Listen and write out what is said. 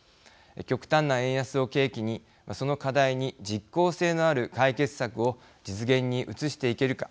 極端な円安を契機にその課題に実効性のある解決策を実現に移していけるか。